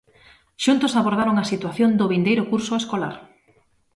Xuntos abordaron a situación do vindeiro curso escolar.